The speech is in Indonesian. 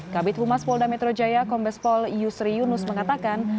kabit humas polda metro jaya kombespol yusri yunus mengatakan